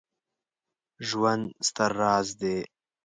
ژوند ستر راز دی